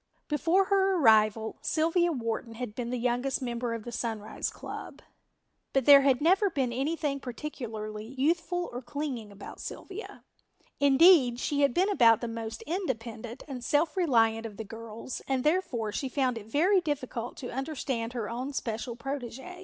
Before her arrival Sylvia Wharton had been the youngest member of the Sunrise club, but there had never been anything particularly youthful or clinging about Sylvia; indeed, she had been about the most independent and self reliant of the girls and therefore she found it very difficult to understand her own special protégé.